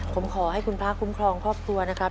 ผมขอให้คุณพระคุ้มครองครอบครัวนะครับ